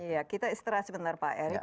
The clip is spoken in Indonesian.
iya kita istirahat sebentar pak erick